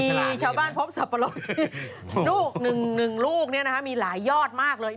มีชาวบ้านพบสับปะรดลูกหนึ่งลูกมีหลายยอดมากเลย